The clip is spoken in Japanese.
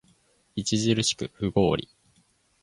著しく不合理